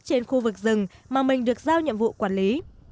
trên khu vực rừng mà mình được giao nhiệm vụ quản lý